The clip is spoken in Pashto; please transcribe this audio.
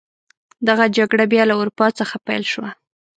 دغه جګړه بیا له اروپا څخه پیل شوه.